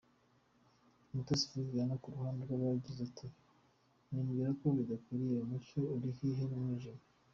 Umutesi Viviane ku ruhande rwe yagize ati:“Nibwira ko bidakwiriye, umucyo uhuriyehe n'umwijima.